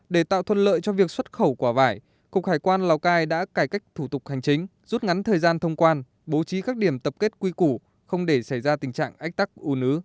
để tạo thuận lợi cho việc xuất khẩu quả vải cục hải quan lào cai đã cải cách thủ tục hành chính rút ngắn thời gian thông quan bố trí các điểm tập kết quy củ không để xảy ra tình trạng ách tắc u nứ